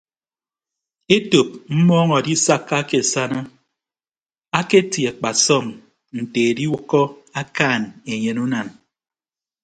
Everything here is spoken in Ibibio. Etop mmọọñ adisakka ke asana aketie akpasọm nte ediwʌkkọ akaan enyen unan.